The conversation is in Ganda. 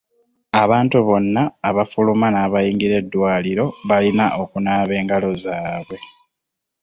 Abantu bonna abafuluma n'abayingira eddwaliro balina okunaaba engalo zaabwe.